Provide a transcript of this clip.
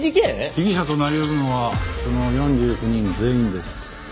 被疑者となり得るのはその４９人全員です。